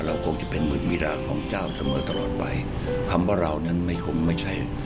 คงจะเป็นหมื่นวิดาของเจ้าเสมอตลอดไปคำว่าเรานั้นไม่คงไม่ใช่